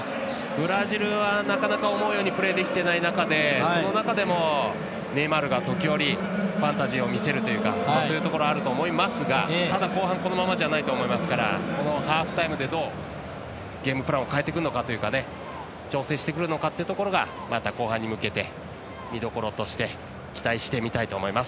ブラジルは、なかなか思うようにプレーできてない中でその中でもネイマールが時折ファンタジーを見せるというかそういうところあると思いますがただ、後半このままじゃないと思いますからこのハーフタイムでどうゲームプランを変えてくるのかというか調整してくるのかというところがまた、後半に向けて見どころとして期待して見たいと思います。